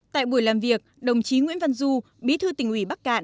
tại buổi làm việc đồng chí nguyễn văn du bí thư tỉnh ủy bắc cạn